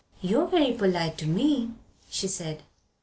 "You're very polite to me," she said.